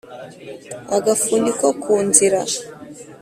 Agafundi ko ku nzira.